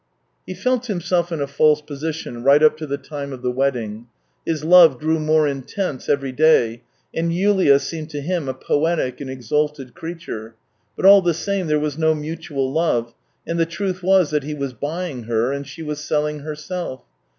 He felt himself in a false position right up to the time of the wedding. His love grew more intense every day, and Yulia seemed to him a poetic and exalted creature; but, all the same, there was no mutual love, and the truth was that he was bu3'ing her and she was selling herself.